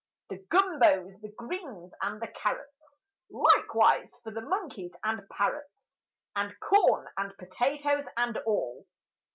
The gumbos, the greens, and the carrots— Likewise for the monkeys and parrots, And corn and potatoes and all!